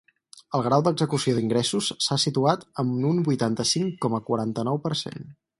El grau d’execució d’ingressos s’ha situat en un vuitanta-cinc coma quaranta-nou per cent.